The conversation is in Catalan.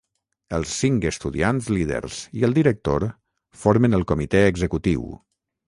Els cinc estudiants líders i el director formen el comitè executiu.